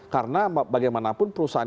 karena bagaimanapun perusahaan